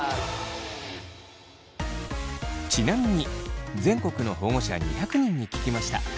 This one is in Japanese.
ちなみに全国の保護者２００人に聞きました。